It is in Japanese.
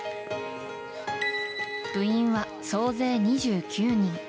部員は総勢２９人。